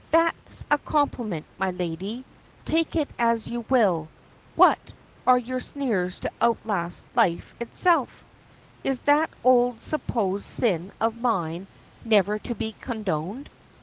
"That's a compliment, my lady take it as you will. What! are your sneers to outlast life itself? Is that old supposed sin of mine never to be condoned?